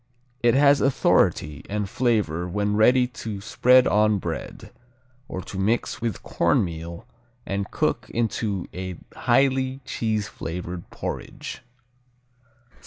It has authority and flavor when ready to spread on bread, or to mix with cornmeal and cook into a highly cheese flavored porridge.